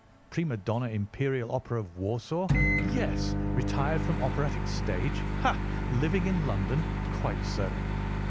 Prima donna Imperial Opera of Warsaw—yes! Retired from operatic stage—ha! Living in London—quite so!